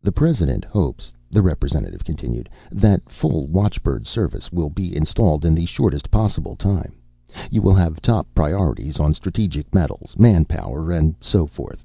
"The President hopes," the representative continued, "that full watchbird service will be installed in the shortest possible time. You will have top priorities on strategic metals, manpower, and so forth."